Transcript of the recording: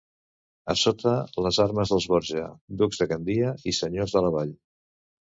A sota, les armes dels Borja, ducs de Gandia i senyors de la vall.